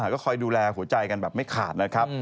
ก็คอยดูแลหัวใจกันแบบไม่ขาดนะครับ